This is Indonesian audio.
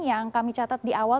yang kami catat di awal